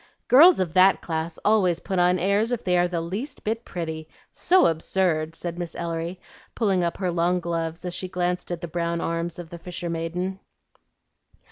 "Girls of that class always put on airs if they are the least bit pretty, so absurd!" said Miss Ellery, pulling up her long gloves as she glanced at the brown arms of the fisher maiden.